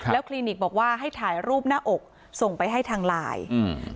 คลินิกบอกว่าให้ถ่ายรูปหน้าอกส่งไปให้ทางไลน์อืม